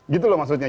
gitu loh maksudnya